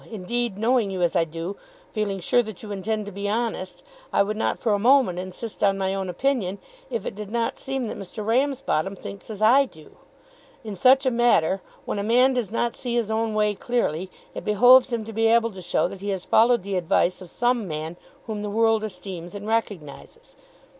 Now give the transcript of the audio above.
Indeed, knowing you as I do, feeling sure that you intend to be honest, I would not for a moment insist on my own opinion, if it did not seem that Mr. Ramsbottom thinks as I do. In such a matter, when a man does not see his own way clearly, it behoves him to be able to show that he has followed the advice of some man whom the world esteems and recognises.